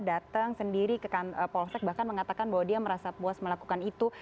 datang sendiri ke polsek bahkan mengatakan bahwa dia merasa puas melakukan itu